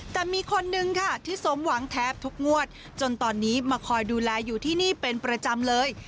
แต่มีคนนึงค่ะที่สมหวังแทบทุกงวดจนตอนนี้มาคอยดูแลอยู่ที่นี่เป็นประจำเลย